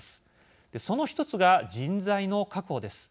その一つが人材の確保です。